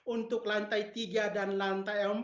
untuk lantai tiga dan lantai empat